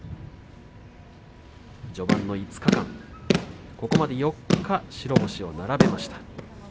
序盤の５日間ここまで４日白星を並べました。